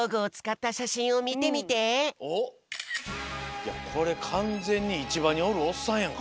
いやこれかんぜんにいちばにおるおっさんやんか。